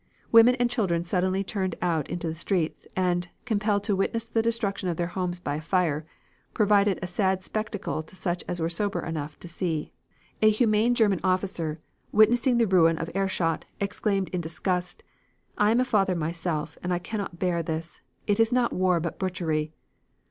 Women and children suddenly turned out into the streets, and, compelled to witness the destruction of their homes by fire, provided a sad spectacle to such as were sober enough to see. "A humane German officer, witnessing the ruin of Aerschot, exclaimed in disgust: 'I am a father myself, and I cannot bear this. It is not war but butchery.'